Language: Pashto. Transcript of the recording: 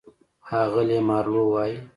اغلې مارلو وايي: